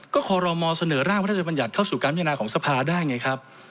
ก็ขอรอมอเสนอร่างวัฒนบรรยัติเข้าสู่กรรมยนต์ของสภาได้ไงครับ